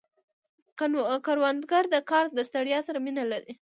کروندګر د کار د ستړیا سره مینه لري